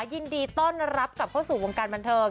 ยินดีต้อนรับกลับเข้าสู่วงการบันเทิง